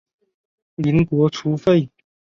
民国初废。